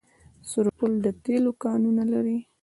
سرپل د تیلو کانونه لري